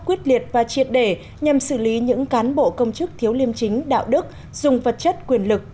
quyết liệt và triệt để nhằm xử lý những cán bộ công chức thiếu liêm chính đạo đức dùng vật chất quyền lực